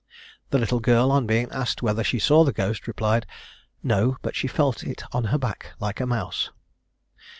The little girl, on being asked whether she saw the ghost, replied, "No; but she felt it on her back like a mouse."